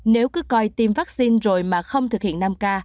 nếu cứ coi tiêm vaccine rồi mà không thực hiện năm k